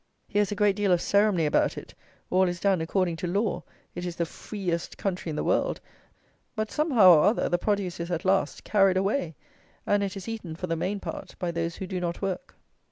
Here is a great deal of ceremony about it; all is done according to law; it is the free est country in the world: but somehow or other the produce is, at last, carried away; and it is eaten, for the main part, by those who do not work.